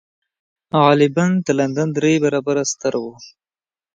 غالباً د لندن درې برابره ستر و.